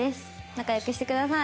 仲良くしてください。